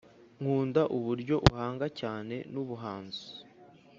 nkunda uburyo uhanga cyane nubuhanzi